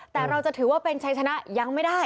แต่เราจะถือว่าเป็นชัยชนะยังไม่ได้